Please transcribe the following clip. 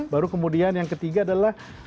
baru kemudian yang ketiga adalah